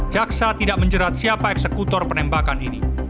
jaksa tidak menjerat siapa eksekutor penembakan ini